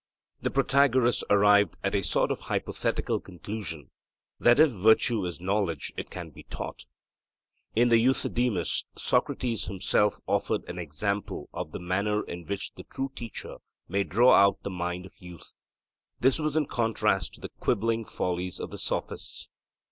The Protagoras arrived at a sort of hypothetical conclusion, that if 'virtue is knowledge, it can be taught.' In the Euthydemus, Socrates himself offered an example of the manner in which the true teacher may draw out the mind of youth; this was in contrast to the quibbling follies of the Sophists.